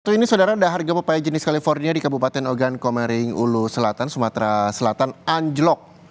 satu ini saudara daharga pepaya jenis california di kabupaten ogan komering ulu selatan sumatera selatan anjlok